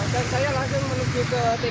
dan saya langsung menuju ke tkp